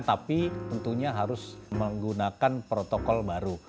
tapi tentunya harus menggunakan protokol baru